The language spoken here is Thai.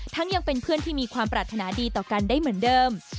ยังเป็นเพื่อนที่มีความปรารถนาดีต่อกันได้เหมือนเดิม